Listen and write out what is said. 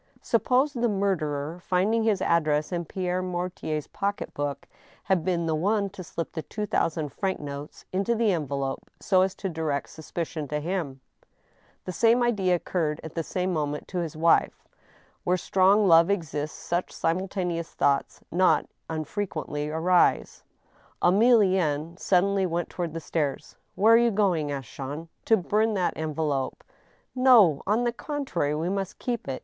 Suppose the murderer, finding his address in Pierre Mortier's pocket book, had been the one to slip the two thousand franc notes into the envelope so as to direct suspicion to him ? The same idea occurred, at the same moment, to his vife. Where strong love exists, such simultaneous thoughts not unfre quently arise. 96 THE STEEL HAMMER. Emilienne suddenly went toward the stairs. " Where are you going ?" asked Jean. To bum that envelope." No ; on the contrary, we must keep it.